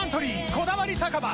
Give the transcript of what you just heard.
「こだわり酒場